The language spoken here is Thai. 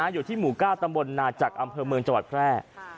อยู่ที่หมู่๙ตำบลนาจักรอำเภอเมืองจังหวัดแพร่